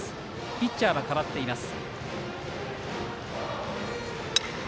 ピッチャーは代わっています。